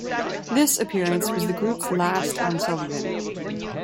This appearance was the group's last on Sullivan.